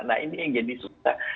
nah ini yang jadi susah